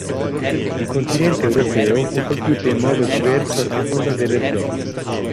Il continente europeo fu colpito in modo diverso a seconda delle zone.